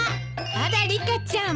あらリカちゃん。